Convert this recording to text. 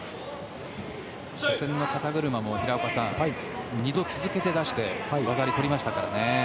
初戦の肩車も２度続けて出して技ありを取りましたからね。